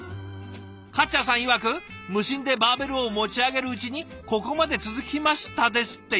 かっちゃんさんいわく「無心でバーベルを持ち上げるうちにここまで続きました」ですって。